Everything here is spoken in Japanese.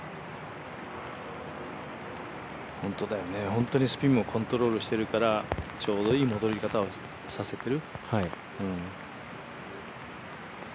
本当にスピンもコントロールしているからちょうどいい戻りをさせている。